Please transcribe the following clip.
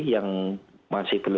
yang masih belum